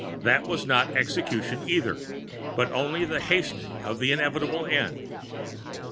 That was not execution, either, but only the hastening of an inevitable end.